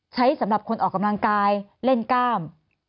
สำหรับคนออกกำลังกายเล่นกล้าม